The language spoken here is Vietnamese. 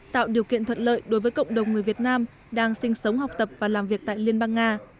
tạo điều kiện thuận lợi đối với cộng đồng người việt nam đang sinh sống học tập và làm việc tại liên bang nga